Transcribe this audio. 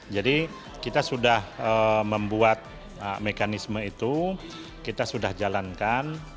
jadi kita sudah membuat mekanisme itu kita sudah jalankan